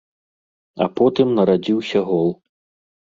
А потым нарадзіўся гол.